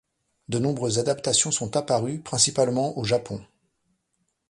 De nombreuses adaptations sont apparues, principalement au Japon.